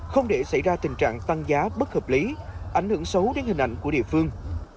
không để xảy ra tình trạng tăng giá bất hợp lý ảnh hưởng xấu đến hình ảnh của địa phương